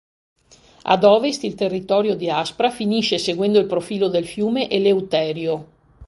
Ad ovest il territorio di Aspra finisce seguendo il profilo del fiume Eleuterio.